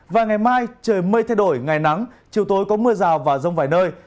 và ngày mai trời mây thay đổi ngày nắng chiều tối có mưa rào và rông vài nơi